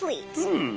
うん。